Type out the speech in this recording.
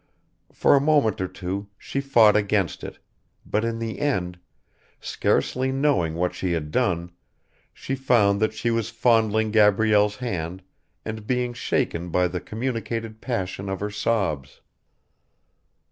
For a moment or two she fought against it, but in the end, scarcely knowing what she had done, she found that she was fondling Gabrielle's hand and being shaken by the communicated passion of her sobs.